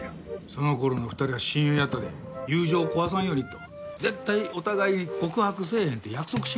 その頃の２人は親友やったで友情を壊さんようにと絶対お互い告白せえへんって約束しはったんやって。